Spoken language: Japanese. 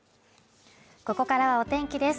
ここからはお天気です